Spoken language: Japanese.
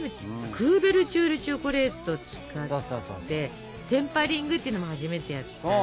クーベルチュールチョコレートを使ってテンパリングっていうのも初めてやったでしょ。